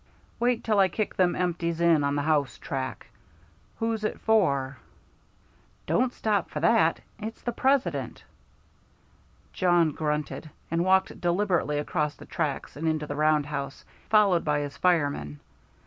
"Wait till I kick them empties in on the house track. Who's it for?" "Don't stop for that! It's the President!" Jawn grunted, and walked deliberately across the tracks and into the roundhouse, followed by his fireman.